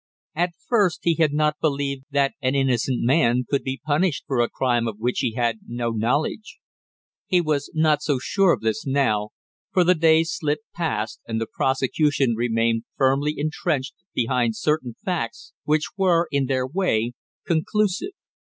At first he had not believed that an innocent man could be punished for a crime of which he had no knowledge; he was not so sure of this now, for the days slipped past and the prosecution remained firmly intrenched behind certain facts which were in their way, conclusive.